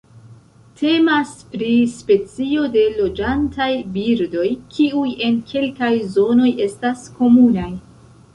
Temas pri specio de loĝantaj birdoj, kiuj en kelkaj zonoj estas komunaj.